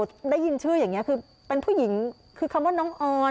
ได้ยินชื่ออย่างนี้คือเป็นผู้หญิงคือคำว่าน้องออย